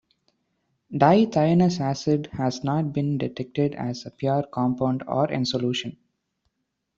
Dithionous acid has not been detected either as a pure compound or in solution.